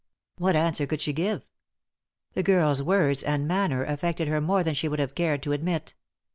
What answer could she give ? The girl's words and manner affected her more than she would have cared to admit.